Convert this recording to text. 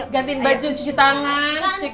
gantiin baju cuci tangan cuci kaki